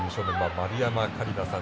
丸山桂里奈さん